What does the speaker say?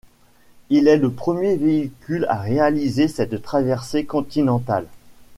Il est le premier véhicule a réaliser cette traversée continentale.